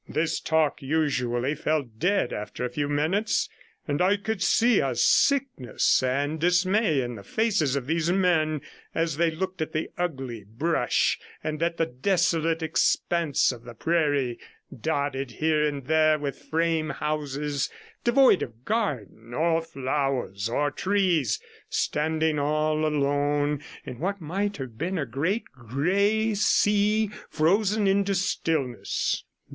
This talk usually fell dead after a few minutes, and I could see a sickness and dismay in the faces of these men as they looked at the ugly brush or at the desolate expanse of the prairie, dotted here and there with frame houses, devoid of garden or flowers or trees, standing all alone in what might have been a great grey sea frozen into stillness.